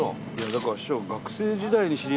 だから師匠。